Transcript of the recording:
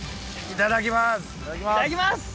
・いただきます